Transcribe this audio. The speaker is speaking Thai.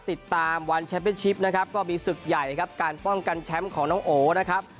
ติดตามวันแชมป์เป็นชิปนะครับก็มีศึกใหญ่ครับการป้องกันแชมป์ของน้องโอนะครับ